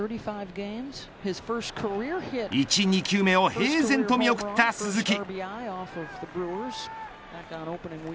１、２球目を平然と見送った鈴木。